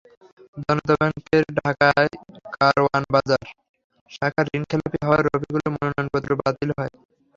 জনতা ব্যাংকের ঢাকার কারওয়ান বাজার শাখার ঋণখেলাপি হওয়ায় রফিকুলের মনোনয়নপত্র বাতিল হয়।